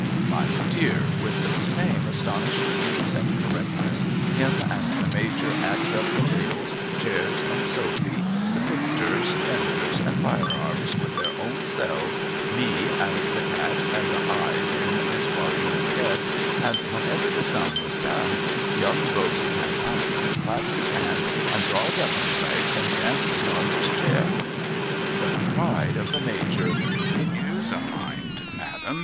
My dear with the same astonishing ease and correctness him and the Major added up the tables chairs and sofy, the picters fenders and fire irons tlieir own selves me and the cat and the eyes in Miss Wozenham's head, and whenever the sum was done Young Roses and Diamonds claps his hands and draws up his legs and dances on his chair. The pride of the Major I {'■ IL/t's a mind. Ma'am